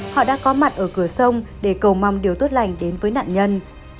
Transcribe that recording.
họ đã có mặt ở cửa sông để cầu mong điều tốt lành đến với nạn nhân